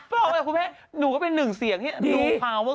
ปลอมไรครับคุณแม่หนูก็เป็นหนึ่งเสียงเหี้ย